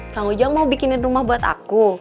kang ujang mau bikinin rumah buat aku